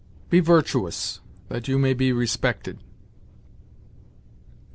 "Be virtuous, that you may be respected."